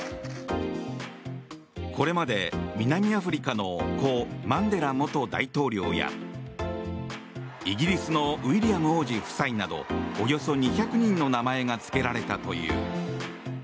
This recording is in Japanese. これまで、南アフリカの故・マンデラ元大統領やイギリスのウィリアム王子夫妻などおよそ２００人の名前がつけられたという。